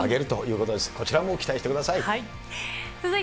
こちらも期待してください。